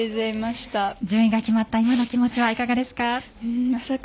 順位が決まった今の気持ちはいかがですか？